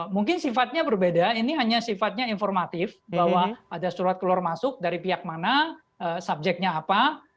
mungkin sifatnya berbeda ini hanya sifatnya informatif bahwa ada surat keluar masuk dari pihak mana subjeknya apa